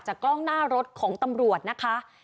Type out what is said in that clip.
กล้องหน้ารถของตำรวจนะคะ